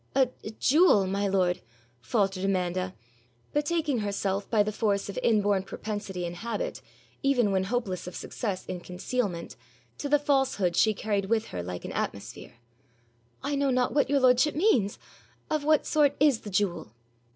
'A jewel, my lord?' faltered Amanda, betaking herself by the force of inborn propensity and habit, even when hopeless of success in concealment, to the falsehood she carried with her like an atmosphere; 'I know not what your lordship means. Of what sort is the jewel?'